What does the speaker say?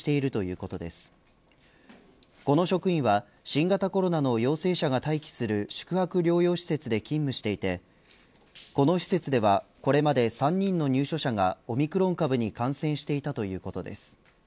この職員は新型コロナの陽性者が待機する宿泊療養施設で待機していてこの施設ではこれまで３人の入所者がオミクロン株に感染していたということです。